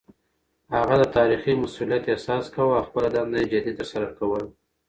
هغه د تاريخي مسووليت احساس کاوه او خپله دنده يې جدي ترسره کوله.